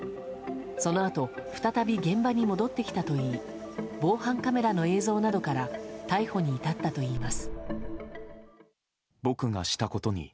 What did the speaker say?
そのあと再び現場に戻ってきたといい防犯カメラの映像などから逮捕に至ったといいます。